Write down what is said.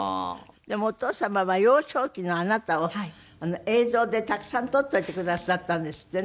でもお父様は幼少期のあなたを映像でたくさん撮っておいてくださったんですってね。